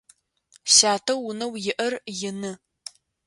Сятэ унэу иӏэр ины.